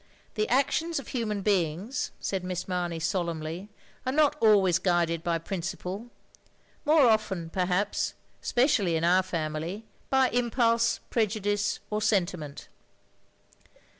The actions of human beings," said Miss Mamey, solemnly, "are not always guided by principle. More often, perhaps, especially in our family, by impulse, prejudice, or sentiment.